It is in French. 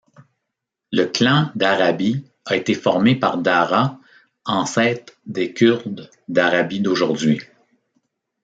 Le clan Darabi a été formé par Dara, ancêtre des kurdes Darabi d'aujourd'hui.